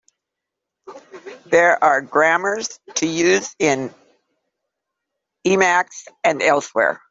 There are grammars to use in Emacs and elsewhere.